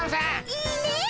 いいねえ。